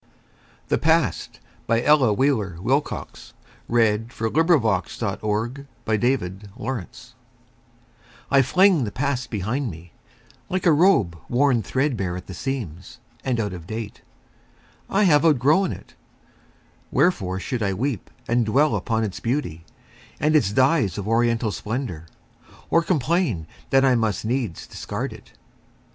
or him alway. Ella Wheeler Wilcox The Past I FLING the past behind me, like a robe Worn threadbare at the seams, and out of date. I have outgrown it. Wherefore should I weep And dwell upon its beauty, and its dyes Of oriental splendor, or complain That I must needs discard it?